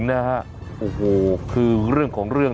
จัดกระบวนพร้อมกัน